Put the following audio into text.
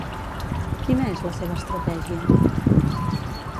Quina és la seva estratègia?